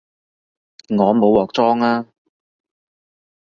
我冇鑊裝吖